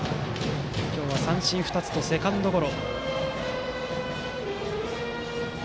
今日は三振２つとセカンドゴロ。